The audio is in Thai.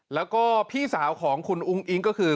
แล้วก็พี่สาวของคุณอุ้งอิ๊งก็คือ